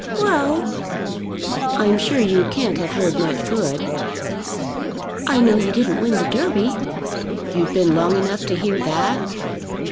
"Well!" "I'm sure you can't have heard much good." "I know you didn't win the Derby." "You've been long enough to hear that?"